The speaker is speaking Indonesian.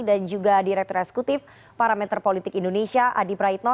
dan juga direktur eksekutif parameter politik indonesia adi praitno